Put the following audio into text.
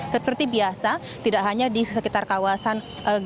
seperti biasa tidak hanya di sekitar kawasan